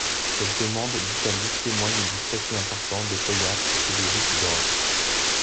Cette demande d'Italie témoigne du statut important de Pollak chez les Juifs d'Europe.